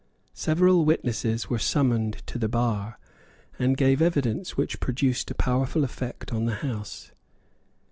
Several witnesses were summoned to the bar, and gave evidence which produced a powerful effect on the House.